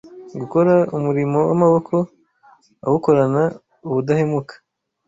gukora umurimo w’amaboko awukorana ubudahemuka